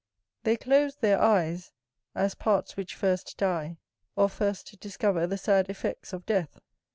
They closed their eyes, as parts which first die, or first discover the sad effects of death.